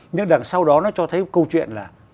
nhưng đằng sau đó nó cho thấy câu chuyện là